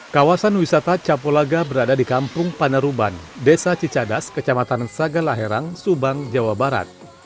kawasan wisata capolaga berada di kampung panaruban desa cicadas kecamatan sagalaherang subang jawa barat